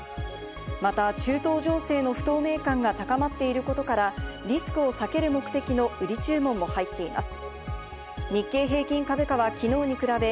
また、中東情勢の不透明感が高まっていることから、リスクを避ける目的の売り注文も入っています。